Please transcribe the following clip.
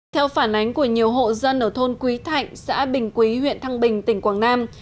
theo phản ánh của nhiều hộ dân ở thôn quý thạnh xã bình quý huyện thăng bình tỉnh quảng nam